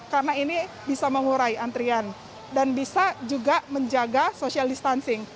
karena ini bisa mengurai antrian dan bisa juga menjaga social distancing